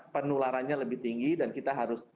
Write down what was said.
penularannya lebih tinggi dan kita harus